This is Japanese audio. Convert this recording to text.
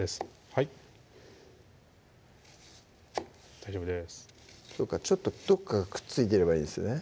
はい大丈夫ですそうかちょっとどっかがくっついてればいいんですね